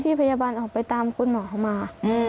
พยาบาลออกไปตามคุณหมอเขามา